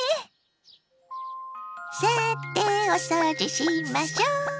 さてお掃除しましょ！